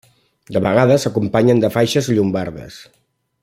De vegades s'acompanyen de faixes llombardes.